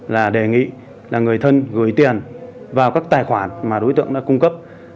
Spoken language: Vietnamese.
là đề nghị là người thân gửi tiền vào các tài khoản mà đối tượng đã cung cấp